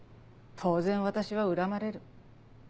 当然私は恨まれる。